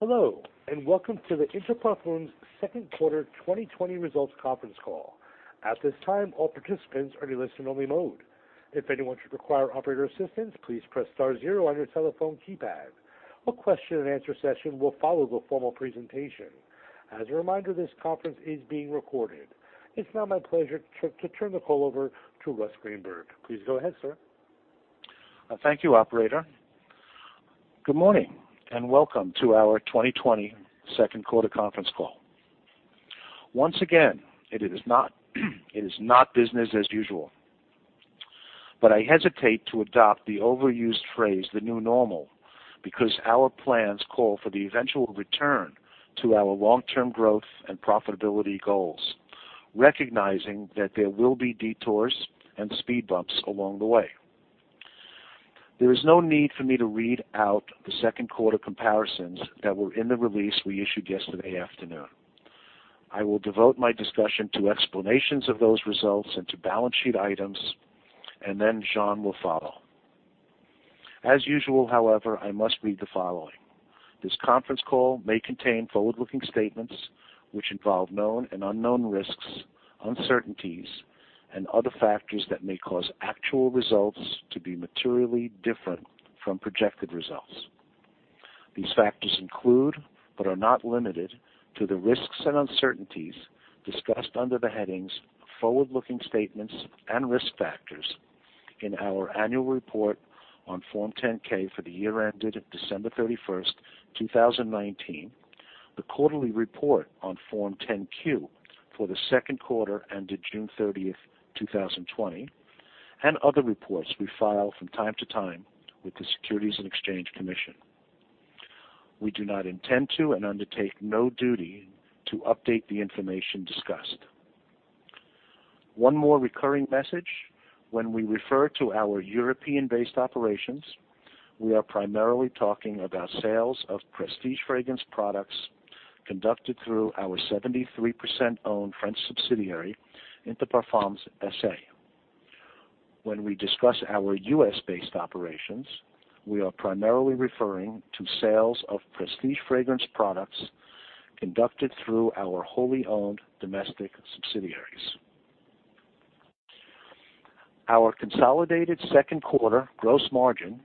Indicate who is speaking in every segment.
Speaker 1: Hello, and welcome to the Inter Parfums' second quarter 2020 results conference call. At this time, all participants are in listen only mode. If anyone should require operator assistance, please press star zero on your telephone keypad. A question and answer session will follow the formal presentation. As a reminder, this conference is being recorded. It's now my pleasure to turn the call over to Russ Greenberg. Please go ahead, sir.
Speaker 2: Thank you, operator. Good morning, and welcome to our 2020 second quarter conference call. Once again, it is not business as usual. I hesitate to adopt the overused phrase, the new normal, because our plans call for the eventual return to our long-term growth and profitability goals, recognizing that there will be detours and speed bumps along the way. There is no need for me to read out the second quarter comparisons that were in the release we issued yesterday afternoon. I will devote my discussion to explanations of those results and to balance sheet items, and then Jean will follow. As usual, however, I must read the following. This conference call may contain forward-looking statements which involve known and unknown risks, uncertainties, and other factors that may cause actual results to be materially different from projected results. These factors include, are not limited to, the risks and uncertainties discussed under the headings "Forward-looking Statements" and "Risk Factors" in our annual report on Form 10-K for the year ended December 31st, 2019, the quarterly report on Form 10-Q for the second quarter ended June 30th, 2020, and other reports we file from time to time with the Securities and Exchange Commission. We do not intend to and undertake no duty to update the information discussed. One more recurring message. When we refer to our European-based operations, we are primarily talking about sales of prestige fragrance products conducted through our 73% owned French subsidiary, Interparfums SA. When we discuss our U.S.-based operations, we are primarily referring to sales of prestige fragrance products conducted through our wholly owned domestic subsidiaries. Our consolidated second quarter gross margin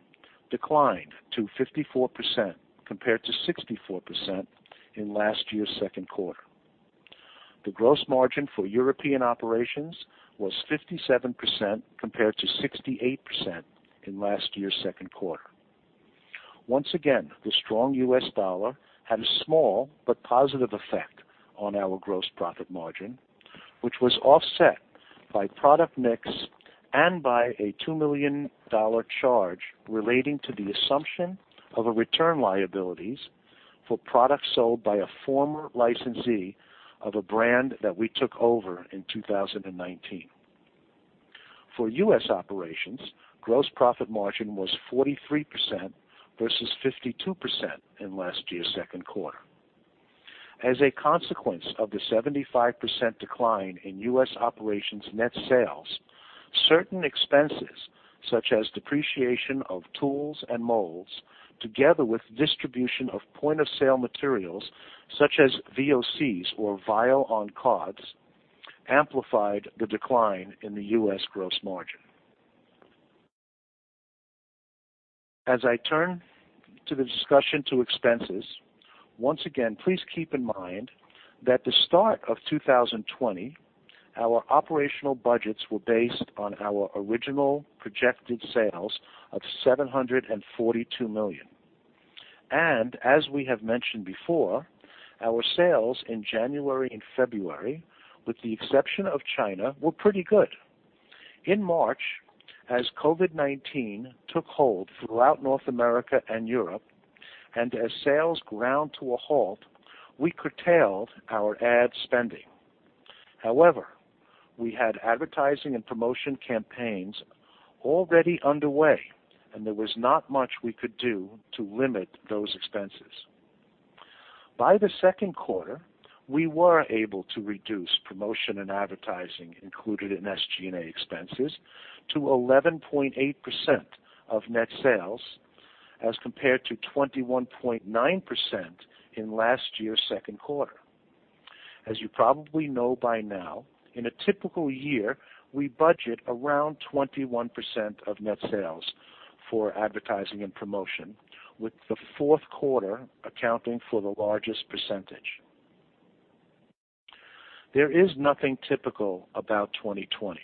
Speaker 2: declined to 54% compared to 64% in last year's second quarter. The gross margin for European operations was 57% compared to 68% in last year's second quarter. Once again, the strong U.S. dollar had a small but positive effect on our gross profit margin, which was offset by product mix and by a $2 million charge relating to the assumption of a return liabilities for products sold by a former licensee of a brand that we took over in 2019. For U.S. operations, gross profit margin was 43% versus 52% in last year's second quarter. As a consequence of the 75% decline in U.S. operations net sales, certain expenses such as depreciation of tools and molds, together with distribution of point-of-sale materials such as VOCs or Vial on Cards, amplified the decline in the U.S. gross margin. As I turn to the discussion to expenses, once again, please keep in mind that the start of 2020, our operational budgets were based on our original projected sales of $742 million. As we have mentioned before, our sales in January and February, with the exception of China, were pretty good. In March, as COVID-19 took hold throughout North America and Europe, as sales ground to a halt, we curtailed our ad spending. However, we had advertising and promotion campaigns already underway, and there was not much we could do to limit those expenses. By the second quarter, we were able to reduce promotion and advertising included in SG&A expenses to 11.8% of net sales as compared to 21.9% in last year's second quarter. As you probably know by now, in a typical year, we budget around 21% of net sales for advertising and promotion, with the fourth quarter accounting for the largest percentage. There is nothing typical about 2020.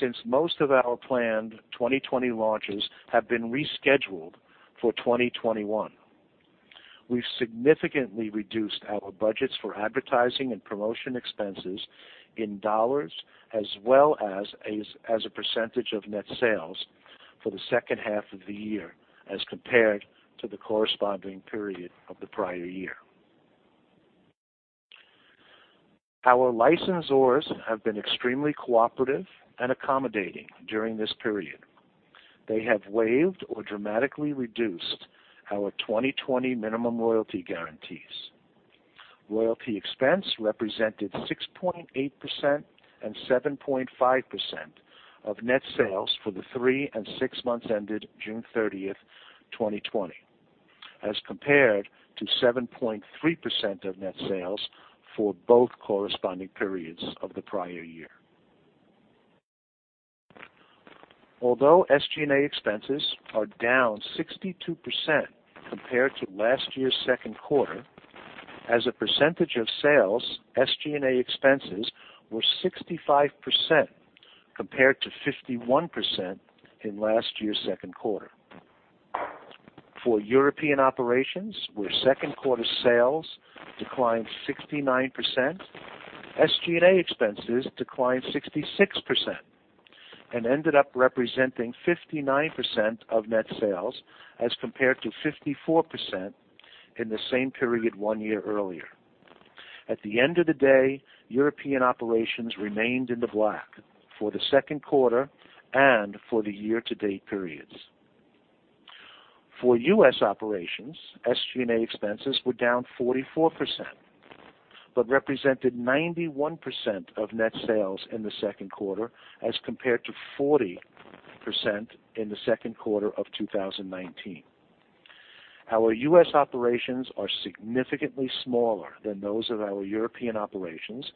Speaker 2: Since most of our planned 2020 launches have been rescheduled for 2021, we've significantly reduced our budgets for advertising and promotion expenses in dollars as well as a percentage of net sales for the second half of the year as compared to the corresponding period of the prior year. Our licensors have been extremely cooperative and accommodating during this period. They have waived or dramatically reduced our 2020 minimum royalty guarantees. Royalty expense represented 6.8% and 7.5% of net sales for the three and six months ended June 30th, 2020, as compared to 7.3% of net sales for both corresponding periods of the prior year. Although SG&A expenses are down 62% compared to last year's second quarter, as a percentage of sales, SG&A expenses were 65% compared to 51% in last year's second quarter. For European operations, where second quarter sales declined 69%, SG&A expenses declined 66% and ended up representing 59% of net sales as compared to 54% in the same period one year earlier. At the end of the day, European operations remained in the black for the second quarter and for the year-to-date periods. For U.S. operations, SG&A expenses were down 44%, but represented 91% of net sales in the second quarter as compared to 40% in the second quarter of 2019. Our U.S. operations are significantly smaller than those of our European operations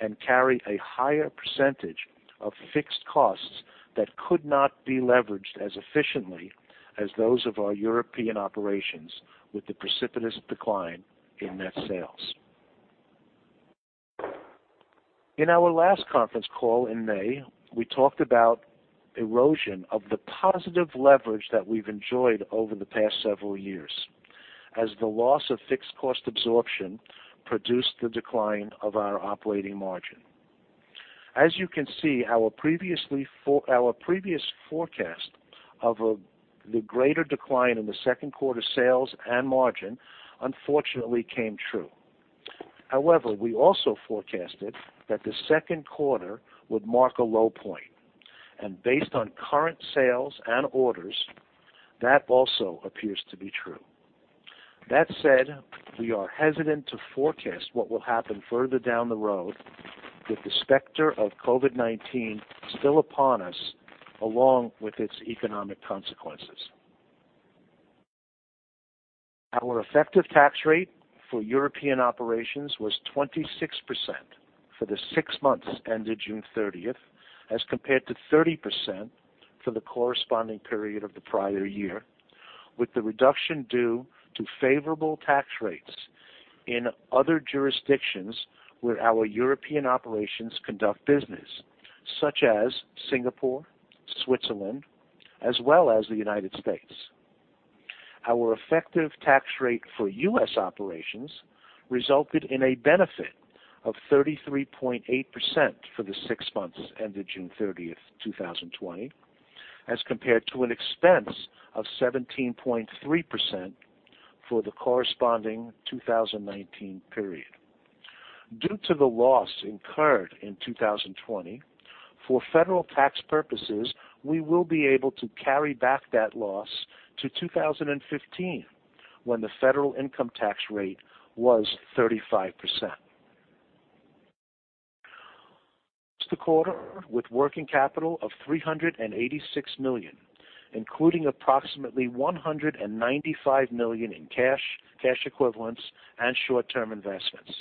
Speaker 2: and carry a higher percentage of fixed costs that could not be leveraged as efficiently as those of our European operations with the precipitous decline in net sales. In our last conference call in May, we talked about erosion of the positive leverage that we've enjoyed over the past several years as the loss of fixed cost absorption produced the decline of our operating margin. As you can see, our previous forecast of the greater decline in the second quarter sales and margin unfortunately came true. However, we also forecasted that the second quarter would mark a low point, and based on current sales and orders, that also appears to be true. That said, we are hesitant to forecast what will happen further down the road with the specter of COVID-19 still upon us, along with its economic consequences. Our effective tax rate for European operations was 26% for the six months ended June 30th, as compared to 30% for the corresponding period of the prior year, with the reduction due to favorable tax rates in other jurisdictions where our European operations conduct business, such as Singapore, Switzerland, as well as the U.S. Our effective tax rate for U.S. operations resulted in a benefit of 33.8% for the six months ended June 30th, 2020, as compared to an expense of 17.3% for the corresponding 2019 period. Due to the loss incurred in 2020, for federal tax purposes, we will be able to carry back that loss to 2015, when the federal income tax rate was 35%. The quarter with working capital of $386 million, including approximately $195 million in cash equivalents, and short-term investments.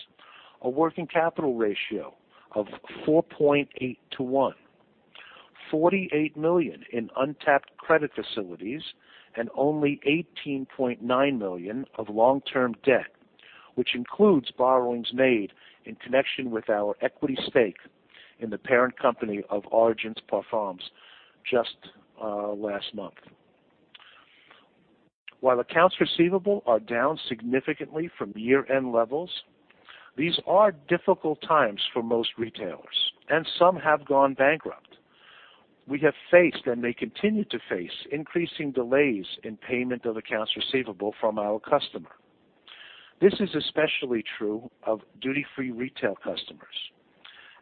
Speaker 2: A working capital ratio of 4.8 to one. $48 million in untapped credit facilities and only $18.9 million of long-term debt, which includes borrowings made in connection with our equity stake in the parent company of Origines Parfums just last month. While accounts receivable are down significantly from year-end levels, these are difficult times for most retailers, and some have gone bankrupt. We have faced, and may continue to face, increasing delays in payment of accounts receivable from our customer. This is especially true of duty-free retail customers,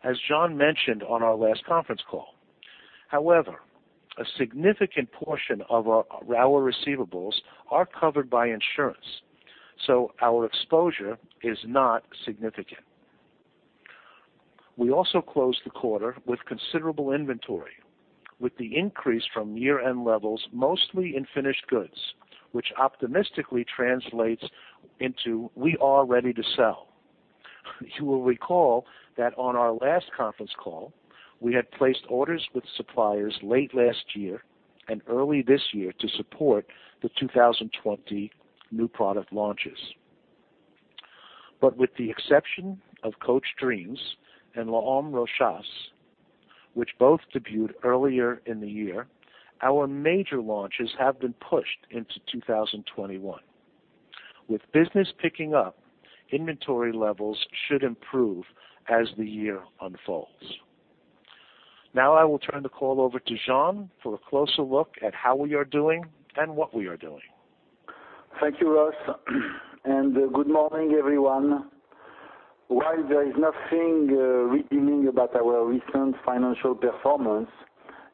Speaker 2: as Jean mentioned on our last conference call. However, a significant portion of our receivables are covered by insurance, so our exposure is not significant. We also closed the quarter with considerable inventory, with the increase from year-end levels mostly in finished goods, which optimistically translates into we are ready to sell. You will recall that on our last conference call, we had placed orders with suppliers late last year and early this year to support the 2020 new product launches. With the exception of Coach Dreams and L'Homme Rochas, which both debuted earlier in the year, our major launches have been pushed into 2021. With business picking up, inventory levels should improve as the year unfolds. Now I will turn the call over to Jean for a closer look at how we are doing and what we are doing.
Speaker 3: Thank you, Russ, and good morning, everyone. While there is nothing redeeming about our recent financial performance,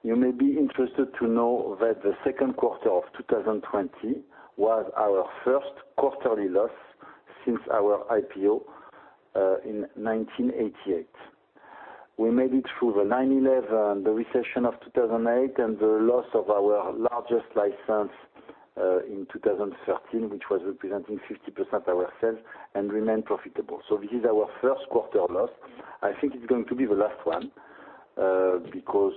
Speaker 3: you may be interested to know that the second quarter of 2020 was our first quarterly loss since our IPO in 1988. We made it through the 9/11, the recession of 2008, and the loss of our largest license in 2013, which was representing 50% of our sales, and remained profitable. This is our first quarter loss. I think it's going to be the last one, because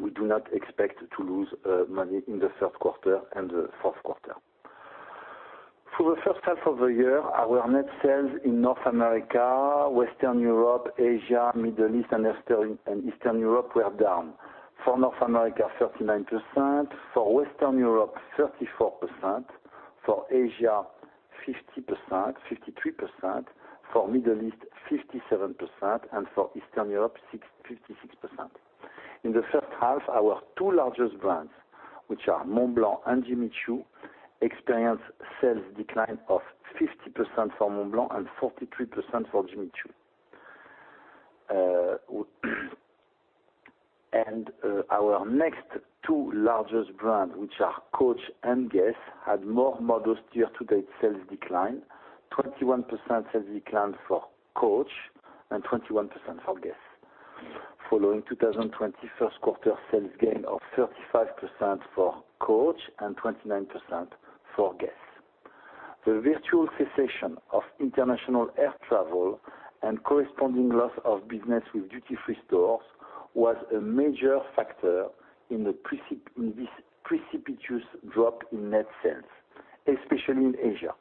Speaker 3: we do not expect to lose money in the third quarter and the fourth quarter. For the first half of the year, our net sales in North America, Western Europe, Asia, Middle East, and Eastern Europe were down. For North America, 39%. For Western Europe, 34%. For Asia, 53%. For Middle East, 57%, and for Eastern Europe, 56%. In the first half, our two largest brands, which are Montblanc and Jimmy Choo, experienced sales decline of 50% for Montblanc and 43% for Jimmy Choo. Our next two largest brands, which are Coach and GUESS, had more modest year-to-date sales decline, 21% sales decline for Coach and 21% for GUESS. Following 2020 first quarter sales gain of 35% for Coach and 29% for GUESS. The virtual cessation of international air travel and corresponding loss of business with duty-free stores was a major factor in this precipitous drop in net sales, especially in Asia.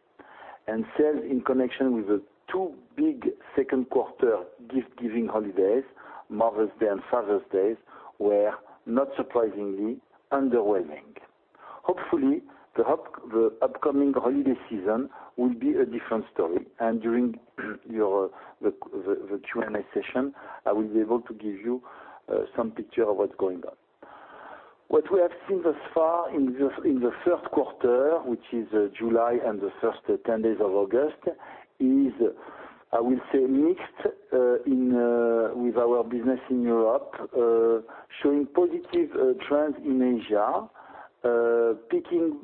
Speaker 3: Sales in connection with the two big second quarter gift-giving holidays, Mother's Day and Father's Day, were not surprisingly underwhelming. Hopefully, the upcoming holiday season will be a different story. During the Q&A session, I will be able to give you some picture of what's going on. What we have seen thus far in the third quarter, which is July and the first 10 days of August, is, I will say, mixed with our business in Europe, showing positive trends in Asia, picking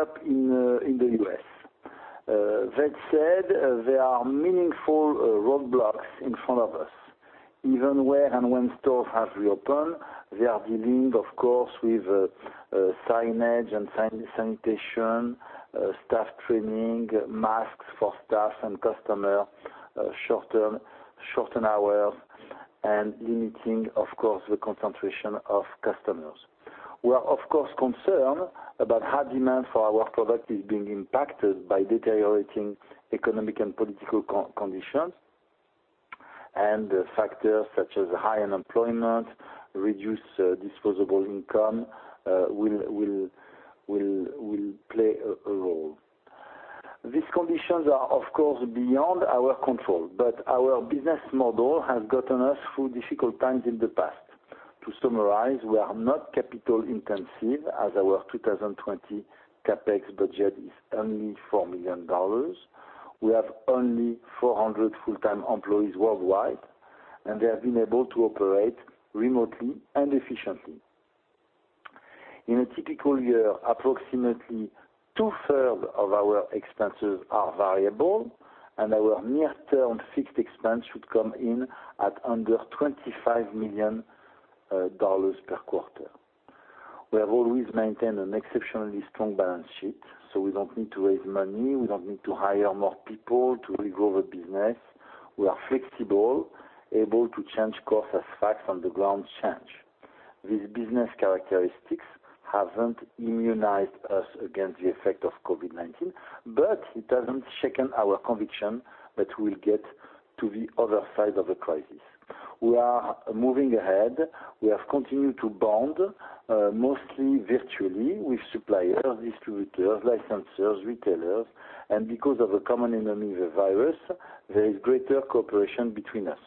Speaker 3: up in the U.S. That said, there are meaningful roadblocks in front of us. Even where and when stores have reopened, they are dealing, of course, with signage and sanitation, staff training, masks for staff and customer, shortened hours, and limiting, of course, the concentration of customers. We are, of course, concerned about how demand for our product is being impacted by deteriorating economic and political conditions, and factors such as high unemployment, reduced disposable income will play a role. These conditions are, of course, beyond our control, but our business model has gotten us through difficult times in the past. To summarize, we are not capital intensive, as our 2020 CapEx budget is only $4 million. We have only 400 full-time employees worldwide, and they have been able to operate remotely and efficiently. In a typical year, approximately two-third of our expenses are variable, and our near-term fixed expense should come in at under $25 million per quarter. We have always maintained an exceptionally strong balance sheet, so we don't need to raise money, we don't need to hire more people to regrow the business. We are flexible, able to change course as facts on the ground change. These business characteristics haven't immunized us against the effect of COVID-19, but it hasn't shaken our conviction that we'll get to the other side of the crisis. We are moving ahead. We have continued to bond, mostly virtually, with suppliers, distributors, licensors, retailers. Because of a common enemy, the virus, there is greater cooperation between us.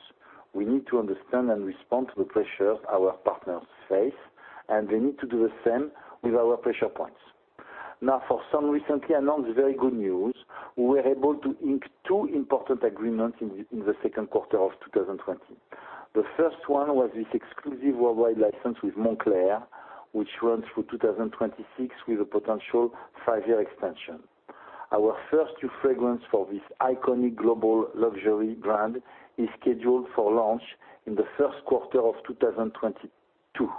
Speaker 3: We need to understand and respond to the pressures our partners face, and they need to do the same with our pressure points. Now for some recently announced very good news. We were able to ink two important agreements in the second quarter of 2020. The first one was this exclusive worldwide license with Moncler, which runs through 2026 with a potential five-year extension. Our first two fragrance for this iconic global luxury brand is scheduled for launch in the first quarter of 2022,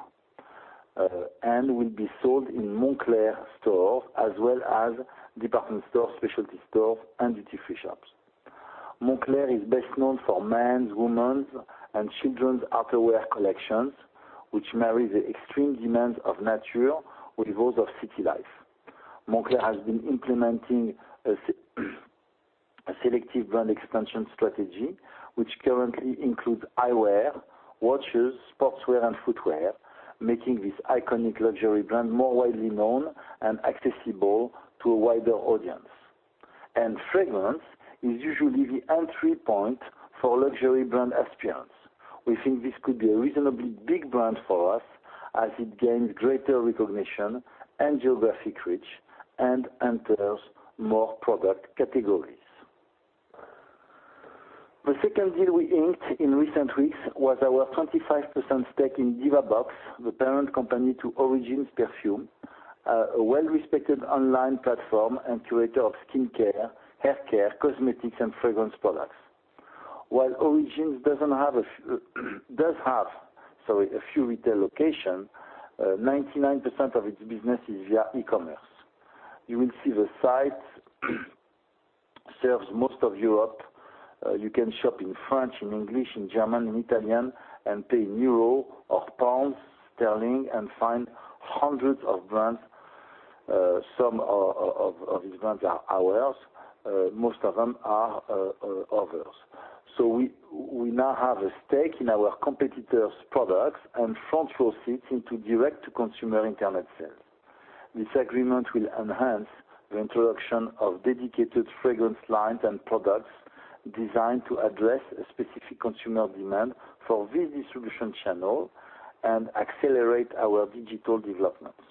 Speaker 3: and will be sold in Moncler stores as well as department stores, specialty stores, and duty-free shops. Moncler is best known for men's, women's, and children's outerwear collections, which marry the extreme demands of nature with those of city life. Moncler has been implementing a selective brand expansion strategy, which currently includes eyewear, watches, sportswear, and footwear, making this iconic luxury brand more widely known and accessible to a wider audience. Fragrance is usually the entry point for luxury brand aspirants. We think this could be a reasonably big brand for us as it gains greater recognition and geographic reach, and enters more product categories. The second deal we inked in recent weeks was our 25% stake in Divabox, the parent company to Origines Parfums, a well-respected online platform and curator of skincare, haircare, cosmetics, and fragrance products. While Origines does have a few retail locations, 99% of its business is via e-commerce. You will see the site serves most of Europe. You can shop in French, in English, in German, in Italian, and pay in euro or pounds sterling and find hundreds of brands. Some of these brands are ours, most of them are others. We now have a stake in our competitors' products and front-row seats into direct-to-consumer internet sales. This agreement will enhance the introduction of dedicated fragrance lines and products designed to address a specific consumer demand for this distribution channel and accelerate our digital developments.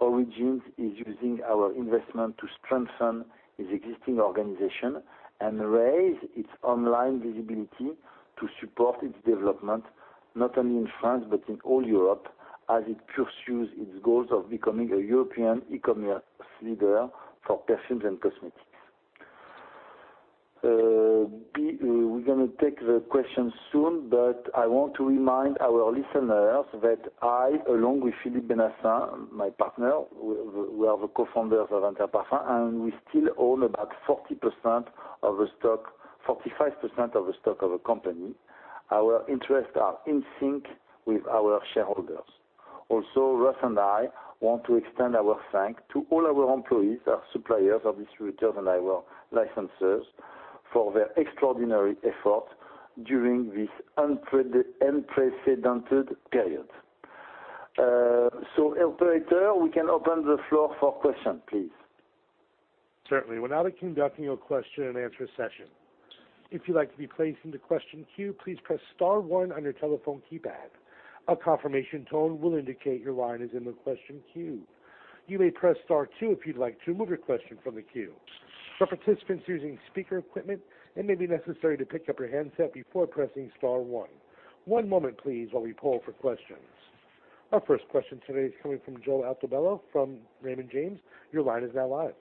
Speaker 3: Origines is using our investment to strengthen its existing organization and raise its online visibility to support its development, not only in France but in all Europe, as it pursues its goals of becoming a European e-commerce leader for perfumes and cosmetics. We're going to take the questions soon, but I want to remind our listeners that I, along with Philippe Benacin, my partner, we are the co-founders of Inter Parfums, and we still own about 45% of the stock of the company. Our interests are in sync with our shareholders. Russ and I want to extend our thanks to all our employees, our suppliers, our distributors, and our licensors for their extraordinary effort during this unprecedented period. Operator, we can open the floor for questions, please.
Speaker 1: Certainly. We're now conducting your question and answer session. If you'd like to be placed into question queue, please press star one on your telephone keypad. A confirmation tone will indicate your line is in the question queue. You may press star two if you'd like to remove your question from the queue. For participants using speaker equipment, it may be necessary to pick up your handset before pressing star one. One moment please, while we poll for questions. Our first question today is coming from Joe Altobello from Raymond James. Your line is now live.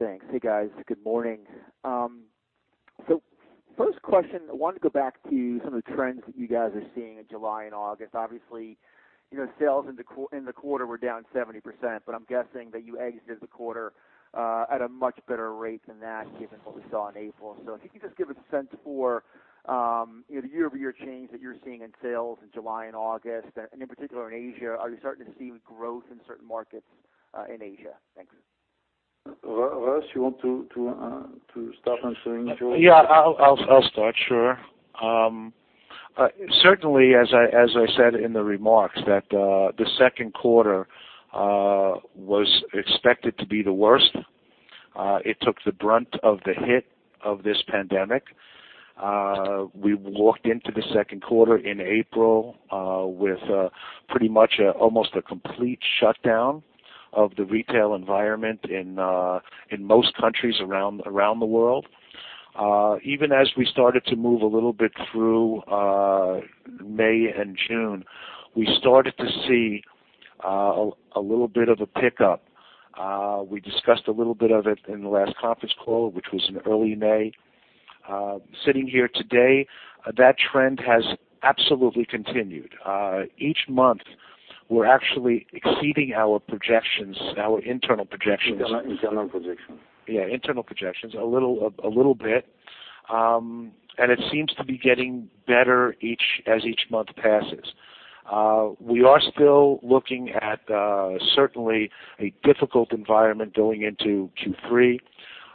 Speaker 4: Thanks. Hey, guys. Good morning. First question, I wanted to go back to some of the trends that you guys are seeing in July and August. Obviously, sales in the quarter were down 70%. I'm guessing that you exited the quarter at a much better rate than that given what we saw in April. If you could just give a sense for the year-over-year change that you're seeing in sales in July and August, and in particular in Asia. Are you starting to see growth in certain markets in Asia? Thanks.
Speaker 3: Russ, you want to start answering, Joel?
Speaker 2: Yeah, I'll start, sure. Certainly, as I said in the remarks, that the second quarter was expected to be the worst. It took the brunt of the hit of this pandemic. We walked into the second quarter in April with pretty much almost a complete shutdown of the retail environment in most countries around the world. Even as we started to move a little bit through May and June, we started to see a little bit of a pickup. We discussed a little bit of it in the last conference call, which was in early May. Sitting here today, that trend has absolutely continued. Each month, we're actually exceeding our internal projections.
Speaker 3: Internal projections.
Speaker 2: internal projections a little bit. It seems to be getting better as each month passes. We are still looking at certainly a difficult environment going into Q3,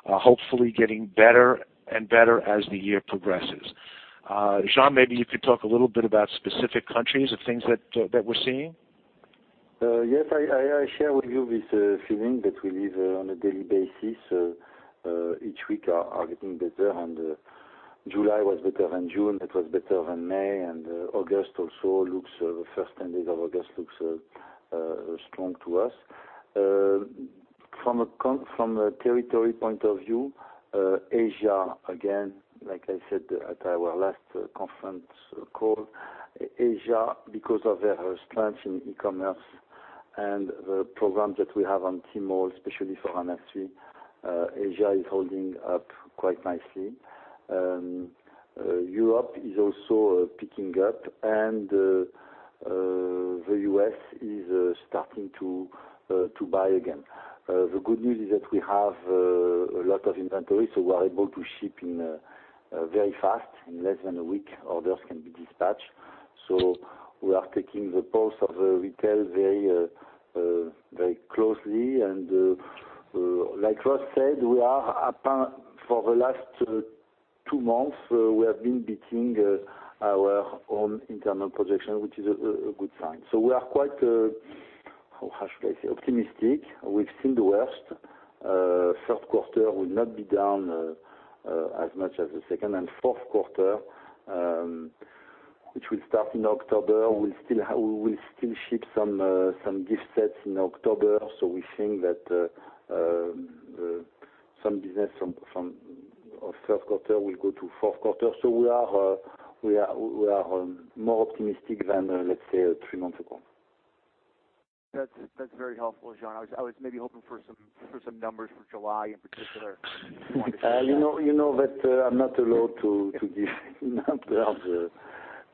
Speaker 2: hopefully getting better and better as the year progresses. Jean, maybe you could talk a little bit about specific countries or things that we're seeing.
Speaker 3: Yes, I share with you this feeling that we live on a daily basis. Each week are getting better, July was better than June. It was better than May, the first 10 days of August looks strong to us. From a territory point of view, Asia, again, like I said at our last conference call, Asia, because of their strength in e-commerce and the programs that we have on Tmall, especially for Anaïs Anaïs, Asia is holding up quite nicely. Europe is also picking up, the U.S. is starting to buy again. The good news is that we have a lot of inventory, so we're able to ship very fast. In less than a week, orders can be dispatched. We are taking the pulse of the retail very closely. Like Russ said, for the last two months, we have been beating our own internal projection, which is a good sign. We are quite, how should I say, optimistic. We've seen the worst. Third quarter will not be down as much as the second, fourth quarter Which will start in October. We'll still ship some gift sets in October. We think that some business from our third quarter will go to fourth quarter. We are more optimistic than, let's say, three months ago.
Speaker 4: That's very helpful, Jean. I was maybe hoping for some numbers for July in particular. If you wanted to share that.
Speaker 3: You know that I'm not allowed to give numbers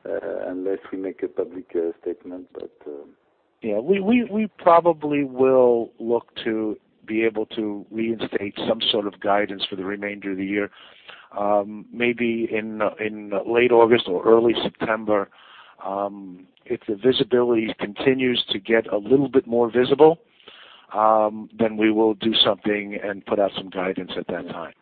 Speaker 3: out unless we make a public statement.
Speaker 2: Yeah. We probably will look to be able to reinstate some sort of guidance for the remainder of the year. Maybe in late August or early September. If the visibility continues to get a little bit more visible, then we will do something and put out some guidance at that time.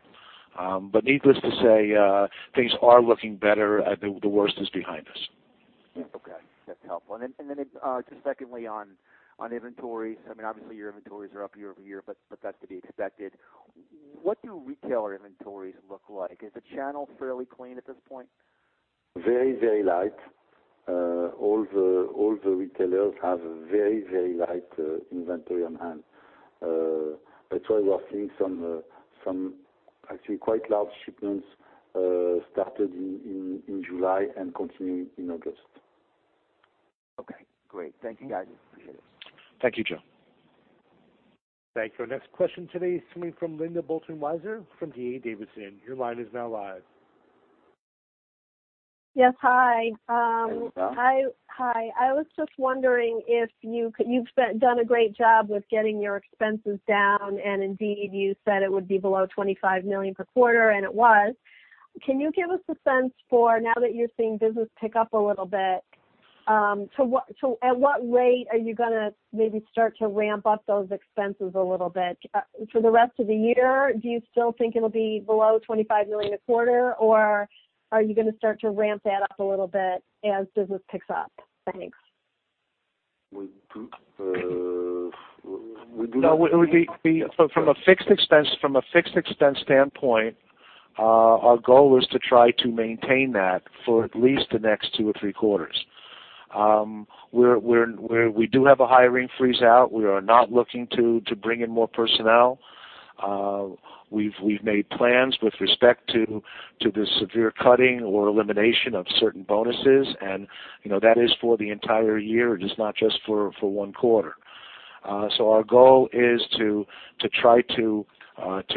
Speaker 2: Needless to say, things are looking better. I think the worst is behind us.
Speaker 4: Okay. That's helpful. Then, just secondly on inventories. Obviously, your inventories are up year-over-year, but that's to be expected. What do retailer inventories look like? Is the channel fairly clean at this point?
Speaker 2: Very light. All the retailers have very light inventory on hand. That's why we are seeing some actually quite large shipments started in July and continuing in August.
Speaker 4: Okay, great. Thank you, guys. Appreciate it.
Speaker 2: Thank you, Joe.
Speaker 1: Thank you. Our next question today is coming from Linda Bolton-Weiser from D.A. Davidson. Your line is now live.
Speaker 5: Yes. Hi.
Speaker 2: Linda Bolton-Weiser.
Speaker 5: Hi. I was just wondering, you've done a great job with getting your expenses down, and indeed, you said it would be below $25 million per quarter, and it was. Can you give us a sense for now that you're seeing business pick up a little bit, at what rate are you going to maybe start to ramp up those expenses a little bit? For the rest of the year, do you still think it'll be below $25 million a quarter, or are you going to start to ramp that up a little bit as business picks up? Thanks.
Speaker 3: We do not-
Speaker 2: No. From a fixed expense standpoint, our goal is to try to maintain that for at least the next two or three quarters. We do have a hiring freeze out. We are not looking to bring in more personnel. We've made plans with respect to the severe cutting or elimination of certain bonuses, and that is for the entire year. It is not just for one quarter. Our goal is to try to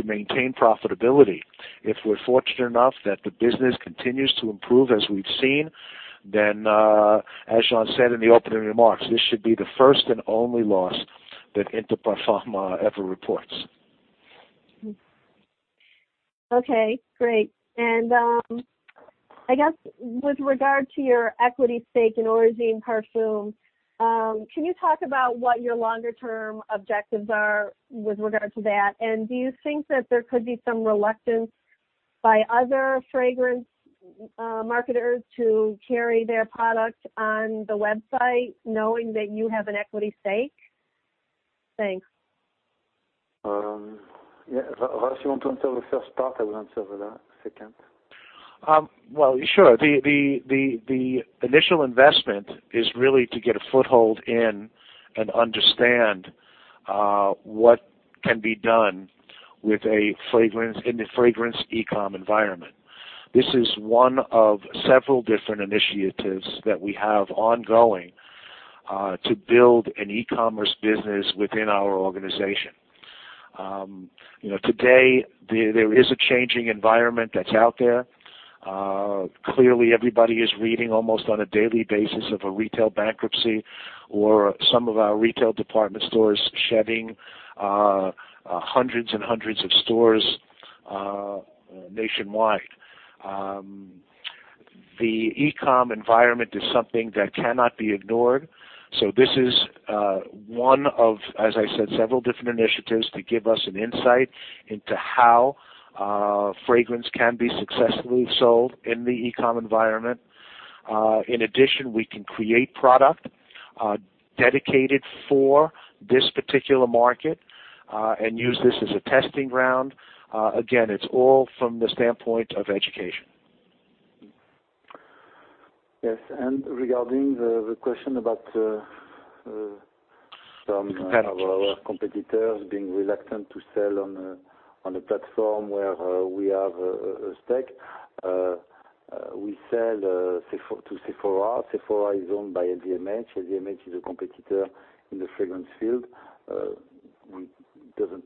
Speaker 2: maintain profitability. If we're fortunate enough that the business continues to improve as we've seen, then, as Jean said in the opening remarks, this should be the first and only loss that Inter Parfums ever reports.
Speaker 5: Okay, great. I guess with regard to your equity stake in Origines Parfums, can you talk about what your longer-term objectives are with regard to that? Do you think that there could be some reluctance by other fragrance marketers to carry their product on the website knowing that you have an equity stake? Thanks.
Speaker 3: If you want to answer the first part, I will answer the second.
Speaker 2: Well, sure. The initial investment is really to get a foothold in and understand what can be done in the fragrance e-com environment. This is one of several different initiatives that we have ongoing, to build an e-commerce business within our organization. Today, there is a changing environment that's out there. Clearly everybody is reading almost on a daily basis of a retail bankruptcy or some of our retail department stores shedding hundreds and hundreds of stores nationwide. The e-com environment is something that cannot be ignored. This is one of, as I said, several different initiatives to give us an insight into how fragrance can be successfully sold in the e-com environment. In addition, we can create product dedicated for this particular market, and use this as a testing ground. Again, it's all from the standpoint of education.
Speaker 3: Yes. Regarding the question about.
Speaker 2: The competitors
Speaker 3: some of our competitors being reluctant to sell on a platform where we have a stake. We sell to Sephora. Sephora is owned by LVMH. LVMH is a competitor in the fragrance field. It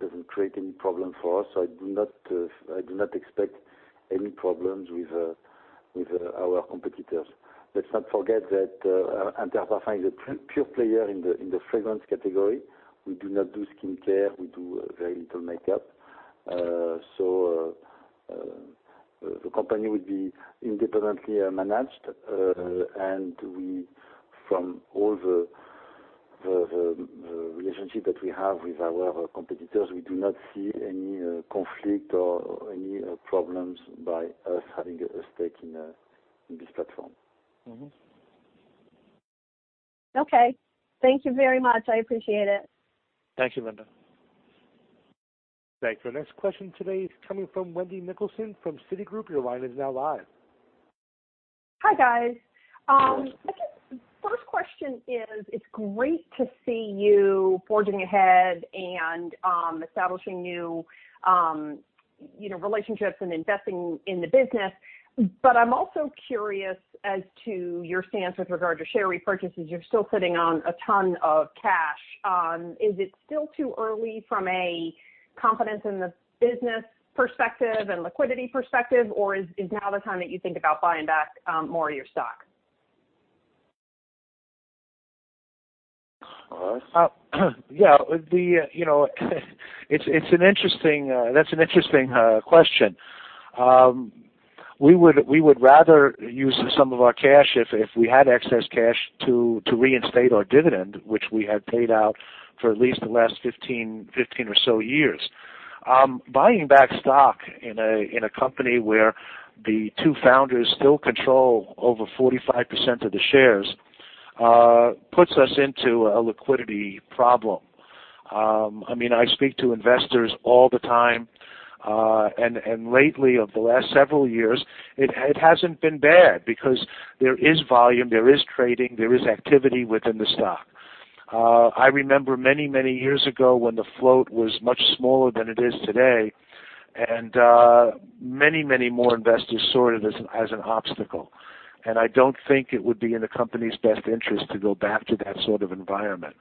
Speaker 3: doesn't create any problem for us, so I do not expect any problems with our competitors. Let's not forget that Inter Parfums is a pure player in the fragrance category. We do not do skincare. We do very little makeup. The company will be independently managed. From all the relationship that we have with our competitors, we do not see any conflict or any problems by us having a stake in this platform.
Speaker 5: Okay. Thank you very much. I appreciate it.
Speaker 2: Thank you, Linda.
Speaker 1: Thank you. Our next question today is coming from Wendy Nicholson from Citigroup. Your line is now live.
Speaker 6: Hi, guys. First question is, it's great to see you forging ahead and establishing new relationships and investing in the business. I'm also curious as to your stance with regard to share repurchases. You're still sitting on a ton of cash. Is it still too early from a confidence in the business perspective and liquidity perspective, or is now the time that you think about buying back more of your stock?
Speaker 2: Charles? That's an interesting question. We would rather use some of our cash, if we had excess cash, to reinstate our dividend, which we had paid out for at least the last 15 or so years. Buying back stock in a company where the two founders still control over 45% of the shares, puts us into a liquidity problem. I speak to investors all the time, and lately, over the last several years, it hasn't been bad because there is volume, there is trading, there is activity within the stock. I remember many years ago when the float was much smaller than it is today, and many more investors saw it as an obstacle. I don't think it would be in the company's best interest to go back to that sort of environment.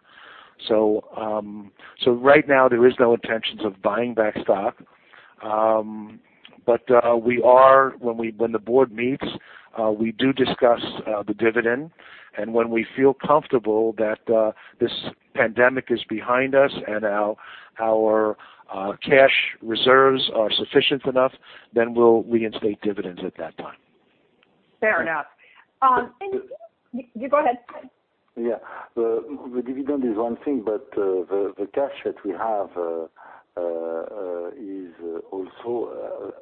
Speaker 2: Right now, there is no intentions of buying back stock. When the board meets, we do discuss the dividend, and when we feel comfortable that this pandemic is behind us and our cash reserves are sufficient enough, then we'll reinstate dividends at that time.
Speaker 6: Fair enough. Go ahead.
Speaker 3: Yeah. The dividend is one thing, but the cash that we have is also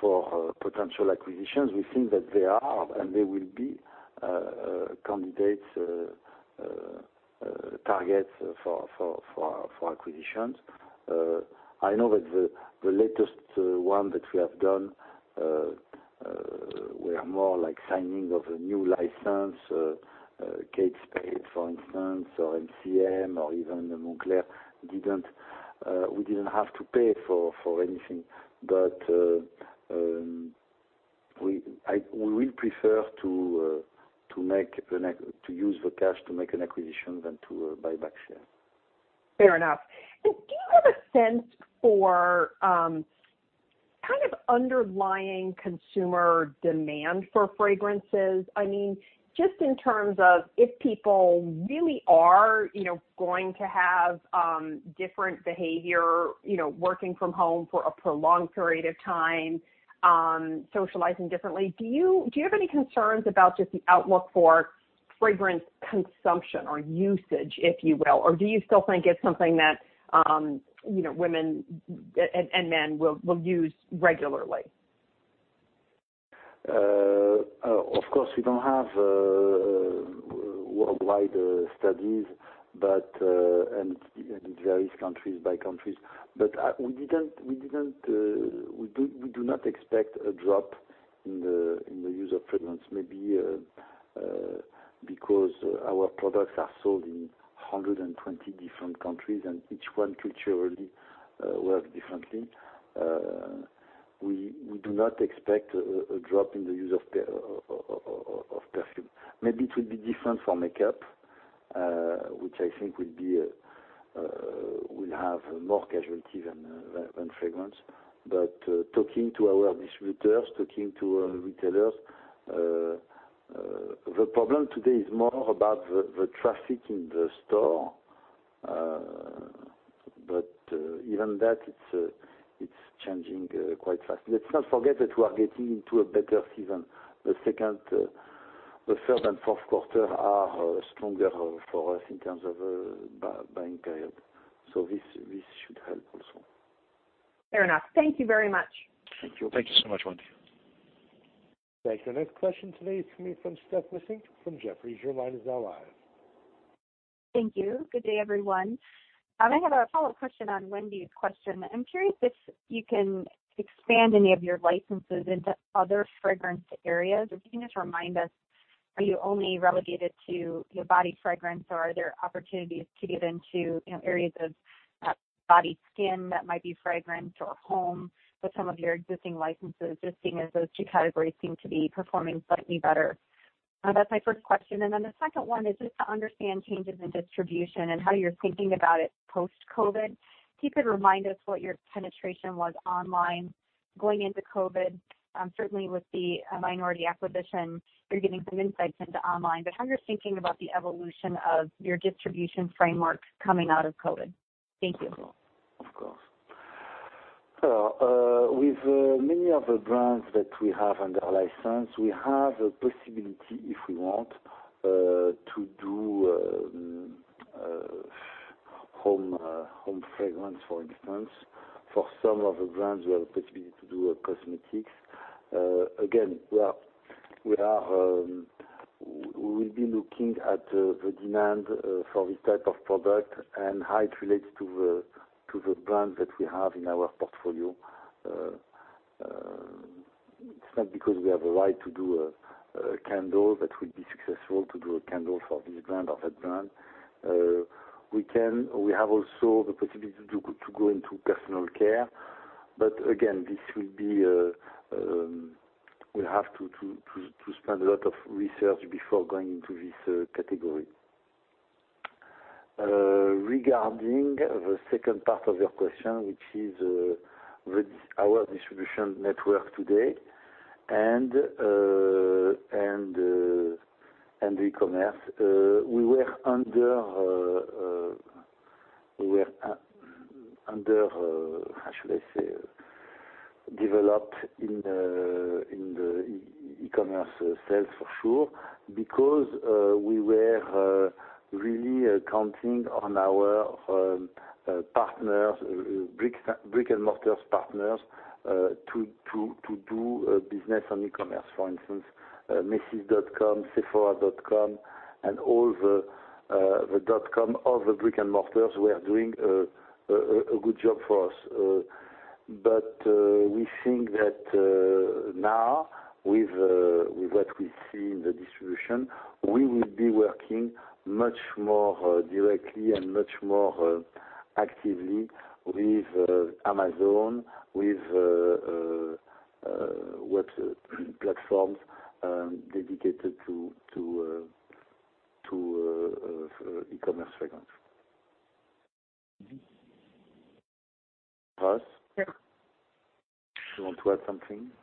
Speaker 3: for potential acquisitions. We think that there are, and there will be candidates, targets for acquisitions. I know that the latest one that we have done, were more like signing of a new license, Kate Spade, for instance, or MCM or even Moncler. We didn't have to pay for anything, but we will prefer to use the cash to make an acquisition than to buy back share.
Speaker 6: Fair enough. Do you have a sense for kind of underlying consumer demand for fragrances? Just in terms of if people really are going to have different behavior, working from home for a prolonged period of time, socializing differently. Do you have any concerns about just the outlook for fragrance consumption or usage, if you will? Or do you still think it's something that women and men will use regularly?
Speaker 3: Of course, we don't have worldwide studies, and it varies countries by countries. We do not expect a drop in the use of fragrance, maybe because our products are sold in 120 different countries, and each one culturally works differently. We do not expect a drop in the use of perfume. Maybe it will be different for makeup, which I think will have more casualty than fragrance. Talking to our distributors, talking to retailers, the problem today is more about the traffic in the store. Even that, it's changing quite fast. Let's not forget that we are getting into a better season. The third and fourth quarter are stronger for us in terms of buying period. This should help also.
Speaker 6: Fair enough. Thank you very much.
Speaker 3: Thank you. Thank you so much, Wendy.
Speaker 1: Thank you. Our next question today is coming from Steph Wissink from Jefferies. Your line is now live.
Speaker 7: Thank you. Good day, everyone. I have a follow-up question on Wendy's question. I'm curious if you can expand any of your licenses into other fragrance areas, or if you can just remind us, are you only relegated to body fragrance or are there opportunities to get into areas of body skin that might be fragranced or home with some of your existing licenses, just seeing as those two categories seem to be performing slightly better? That's my first question. The second one is just to understand changes in distribution and how you're thinking about it post-COVID. If you could remind us what your penetration was online going into COVID. Certainly with the minority acquisition, you're getting some insights into online. How you're thinking about the evolution of your distribution framework coming out of COVID. Thank you.
Speaker 3: Of course. With many of the brands that we have under our license, we have a possibility, if we want. Home fragrance, for instance. For some of the brands, we have the possibility to do cosmetics. Again, we will be looking at the demand for this type of product and how it relates to the brand that we have in our portfolio. It's not because we have a right to do a candle, that we'll be successful to do a candle for this brand or that brand. We have also the possibility to go into personal care. Again, we'll have to spend a lot of research before going into this category. Regarding the second part of your question, which is our distribution network today and e-commerce. We were under, how should I say, developed in the e-commerce sales for sure, because we were really counting on our partners, brick-and-mortar partners, to do business on e-commerce. For instance, macys.com, sephora.com, all the .com of the brick-and-mortars were doing a good job for us. We think that now, with what we see in the distribution, we will be working much more directly and much more actively with Amazon, with what platforms dedicated to e-commerce fragrance. Russ?
Speaker 2: Yeah.
Speaker 3: Do you want to add something?
Speaker 2: Yeah. No.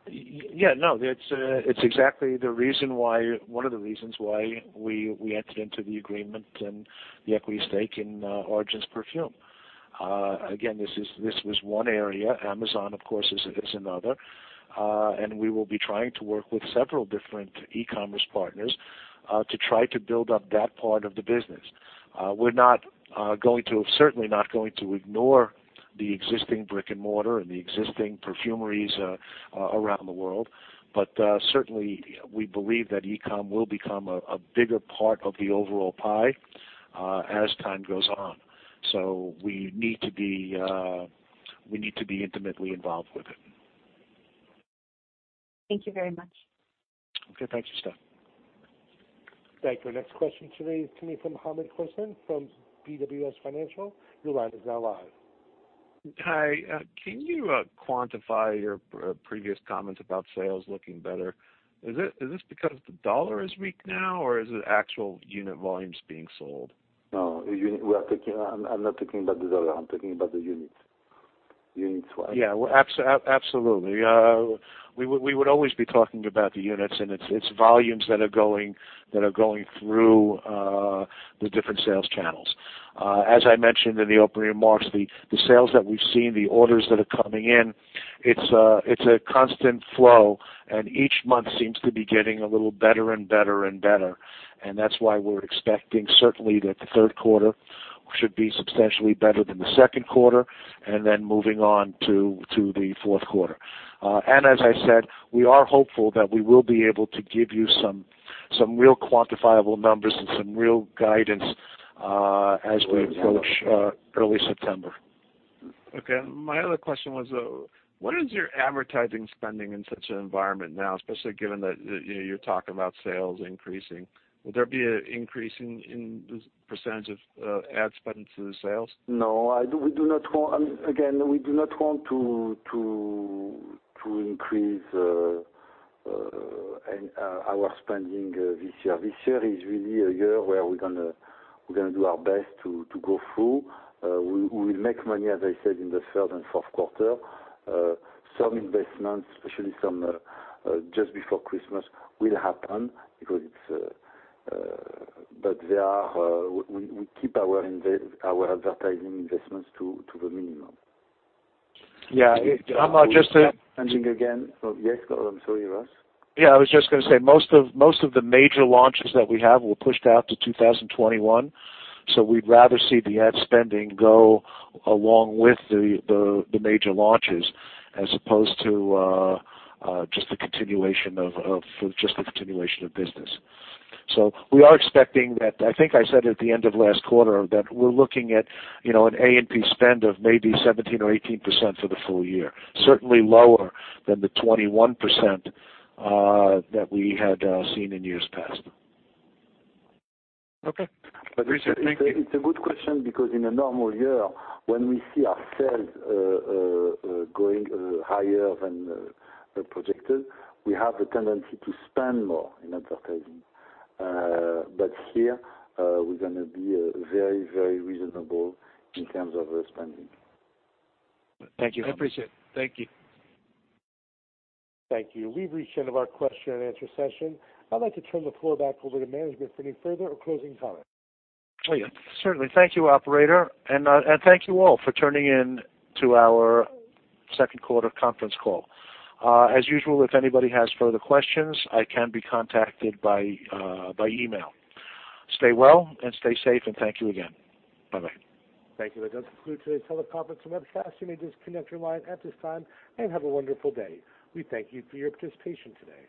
Speaker 2: It's exactly one of the reasons why we entered into the agreement and the equity stake in Origines Parfums. Again, this was one area. Amazon, of course, is another. We will be trying to work with several different e-commerce partners, to try to build up that part of the business. We're certainly not going to ignore the existing brick-and-mortar and the existing perfumeries around the world. Certainly, we believe that e-com will become a bigger part of the overall pie as time goes on. We need to be intimately involved with it.
Speaker 7: Thank you very much.
Speaker 2: Okay. Thank you, Steph.
Speaker 1: Thank you. Our next question today is coming from Hamed Khorsand from BWS Financial. Your line is now live.
Speaker 8: Hi. Can you quantify your previous comments about sales looking better? Is this because the dollar is weak now, or is it actual unit volumes being sold?
Speaker 3: No. I'm not talking about the dollar, I'm talking about the units.
Speaker 2: Yeah. Absolutely. We would always be talking about the units, and it's volumes that are going through the different sales channels. As I mentioned in the opening remarks, the sales that we've seen, the orders that are coming in, it's a constant flow, and each month seems to be getting a little better and better and better. That's why we're expecting certainly that the third quarter should be substantially better than the second quarter, and then moving on to the fourth quarter. As I said, we are hopeful that we will be able to give you some real quantifiable numbers and some real guidance as we approach early September.
Speaker 8: Okay. My other question was, what is your advertising spending in such an environment now, especially given that you're talking about sales increasing? Will there be an increase in the percentage of ad spend to the sales?
Speaker 3: No. Again, we do not want to increase our spending this year. This year is really a year where we're going to do our best to go through. We will make money, as I said, in the third and fourth quarter. Some investments, especially some just before Christmas, will happen. We keep our advertising investments to the minimum.
Speaker 2: Yeah.
Speaker 3: Again. Yes, go on. I'm sorry, Russ.
Speaker 2: I was just going to say, most of the major launches that we have were pushed out to 2021. We'd rather see the ad spending go along with the major launches as opposed to just the continuation of business. We are expecting that, I think I said at the end of last quarter, that we're looking at an A&P spend of maybe 17% or 18% for the full year. Certainly lower than the 21% that we had seen in years past.
Speaker 8: Okay. I appreciate it. Thank you.
Speaker 3: It's a good question because in a normal year, when we see our sales going higher than projected, we have the tendency to spend more in advertising. Here, we're going to be very, very reasonable in terms of spending.
Speaker 8: Thank you. I appreciate it. Thank you.
Speaker 1: Thank you. We've reached the end of our question and answer session. I'd like to turn the floor back over to management for any further or closing comments.
Speaker 2: Oh, yeah. Certainly. Thank you, operator. Thank you all for tuning in to our second quarter conference call. As usual, if anybody has further questions, I can be contacted by email. Stay well and stay safe, and thank you again. Bye-bye.
Speaker 1: Thank you. That does conclude today's teleconference and webcast. You may disconnect your line at this time, and have a wonderful day. We thank you for your participation today.